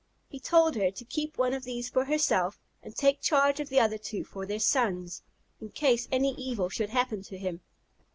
He told her to keep one of these for herself, and take charge of the other two for their sons, in case any evil should happen to him.